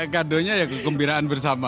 kado nya ya kekumbiraan bersama